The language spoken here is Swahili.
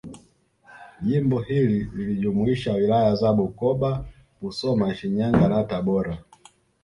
Jimbo hili lilijumuisha Wilaya za Bukoba Musoma Shinyanga na Tabora